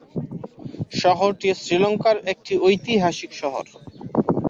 শহরটি শ্রীলঙ্কার একটি ঐতিহাসিক শহর।